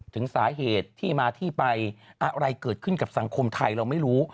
ถึงสาเหตุที่มาที่ไปอะไรเกิดขึ้นกับสังคมไทยเราไม่รู้